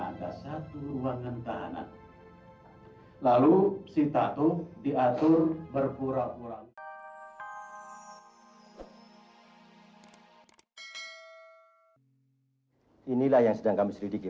ada satu ruangan tahanan lalu sitatu diatur berpura pura inilah yang sedang kami sedikit